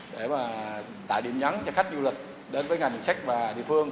để tạo điểm nhắn cho khách du lịch đến với ngành đường sắt và địa phương